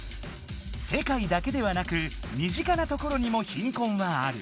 世界だけではなく身近なところにも貧困はある。